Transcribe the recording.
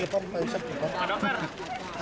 pak saya ke depan